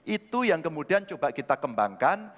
itu yang kemudian coba kita kembangkan